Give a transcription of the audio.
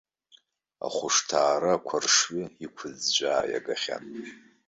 Ахәышҭаара ақәаршҩы иқәыӡәӡәаа иагахьан.